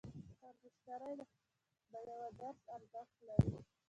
هر مشتری د یوه درس ارزښت لري.